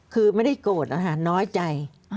คือไม่ได้โกรธนะคะน้อยใจ